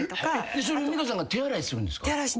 それを美香さんが手洗いするんですか？